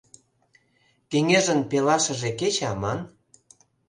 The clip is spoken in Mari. Кеҥежын пелашыже кече аман.